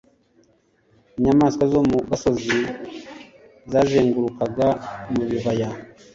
Inyamaswa zo mu gasozi zazengurukaga mu bibaya